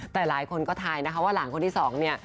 แต่หลายคนก็ทายนะคะว่าหลานคนที่สองเนี่ย